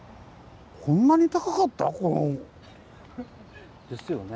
こんなに高かった？ですよね。